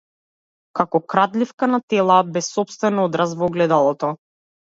Како крадливка на тела, без сопствен одраз во огледалото.